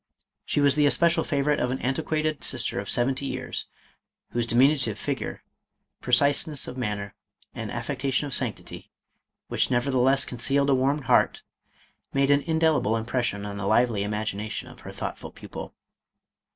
She was the especial favorite of an antiquated sister of seventy years, whose diminutive figure, preciseness of manner, and aifectation of sanctity, which nevertheless concealed a warm heart, made an indelible impression on the lively imagination of her thoughtful pupil.